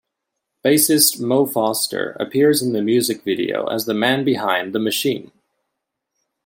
Bassist Mo Foster appears in the music video as the man behind the machine.